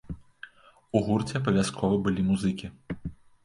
У гурце абавязкова былі музыкі.